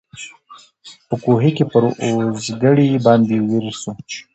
په کوهي کي پر اوزګړي باندي ویر سو